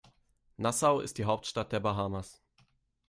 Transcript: Nassau ist die Hauptstadt der Bahamas.